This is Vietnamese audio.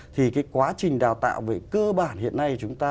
thì cái quá trình đào tạo về cơ bản hiện nay của chúng ta